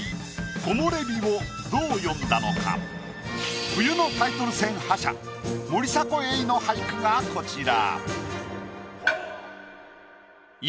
「木漏れ日」を冬のタイトル戦覇者森迫永依の俳句がこちら。